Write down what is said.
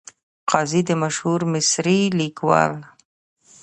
قاضي د مشهور مصري لیکوال .